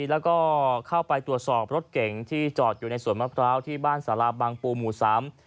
แล้วก็เข้าไปตรวจสอบรถเก่งที่จอดอยู่ในสวนมะพร้าวที่บ้านสาราบางปูหมู่สาม